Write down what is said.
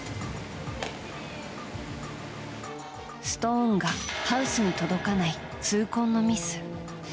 ストーンがハウスに届かない痛恨のミス。